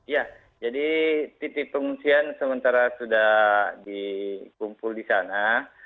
ya jadi titik pengungsian sementara sudah dikumpul di sana